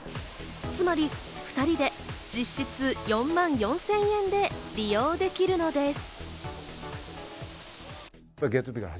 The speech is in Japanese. つまり２人で実質４万４０００円で利用できるのです。